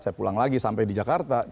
saya pulang lagi sampai di jakarta